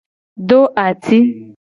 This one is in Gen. Do ati.